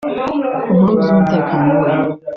Ku mpamvu z’umutekano we